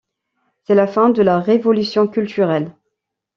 C'est la fin de la Révolution culturelle.